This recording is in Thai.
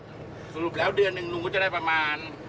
สรุปแล้วเดือนหนึ่งหนูก็จะได้ประมาณ